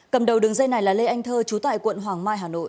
cầm đầu đường dây này là lê anh thơ trú tại quận hoàng mai hà nội